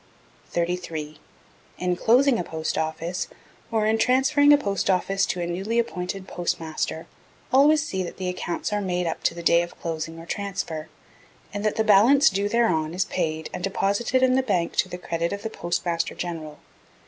33. In closing a Post Office, or in transferring a Post Office to a newly appointed Postmaster, always see that the accounts are made up to the day of closing or transfer; and that the balance due thereon is paid and deposited in the Bank to the credit of the Postmaster General.